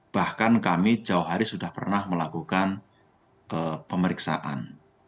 bahkan kami jauh hari sudah pernah melakukan pemeriksaan